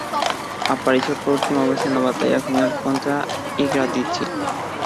Apareció por última vez en la batalla final contra Yggdrasil.